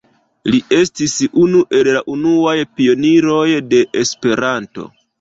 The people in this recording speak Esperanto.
Li estis unu el la unuaj pioniroj de Esperanto.